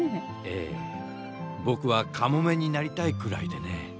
ええぼくはカモメになりたいくらいでね。